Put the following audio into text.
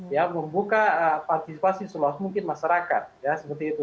ya membuka partisipasi seluas mungkin masyarakat ya seperti itu